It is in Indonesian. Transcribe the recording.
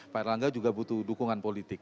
pak erlangga juga butuh dukungan politik